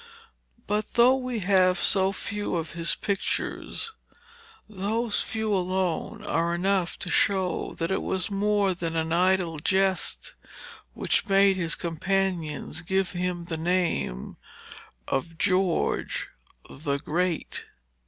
But though we have so few of his pictures, those few alone are enough to show that it was more than an idle jest which made his companions give him the nickname of George the Great.